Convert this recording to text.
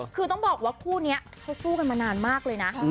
คือต้องบอกว่าคู่นี้เขาสู้กันมานานมากเลยนะ